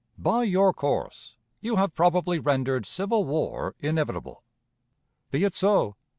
By your course you have probably rendered civil war inevitable. Be it so.